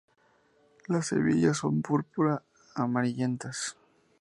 Las semillas son púrpura amarillentas.